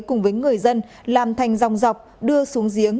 cùng với người dân làm thành dòng dọc đưa xuống giếng